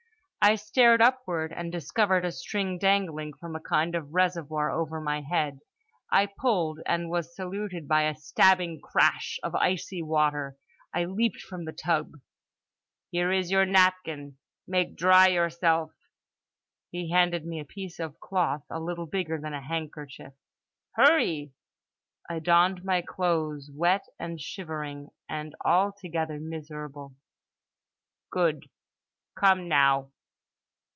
I stared upward, and discovered a string dangling from a kind of reservoir over my head: I pulled: and was saluted by a stabbing crash of icy water. I leaped from the tub. "Here is your napkin. Make dry yourself"—he handed me a piece of cloth a little bigger than a handkerchief. "Hurree." I donned my clothes, wet and shivering and altogether miserable. "Good. Come now!"